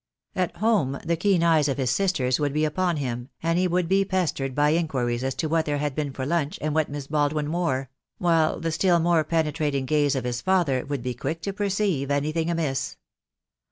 At home the keen eyes of his sisters would be upon him, and he would be pestered by inquiries as to what there had been for lunch and what Miss Baldwin wore; while the still more penetrating gaze of his father would be quick to perceive anything amiss.